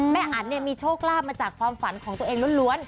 แม่อันมีโชคลาบมาจากความฝันของตัวเองร้วน